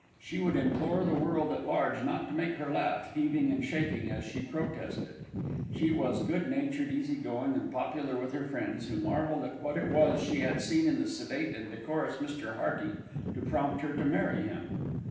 She would implore the world at large not to make her laugh, heaving and shaking as she protested. She was good natured, easy going, and popular with her friends, who marvelled at what it was she had seen in the sedate and decorous Mr. Hearty to prompt her to marry him.